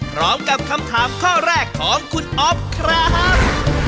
พร้อมกับคำถามข้อแรกของคุณอ๊อฟครับ